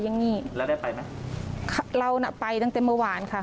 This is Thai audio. ส่งเขาวันละ๓๐๐ค่ะ